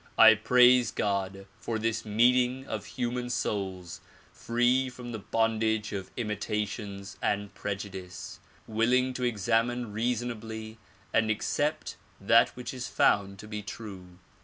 I praise God for this meeting of human souls free from the bondage of imitations and prejudice, willing to examine reasonably and accept that which is found to be true.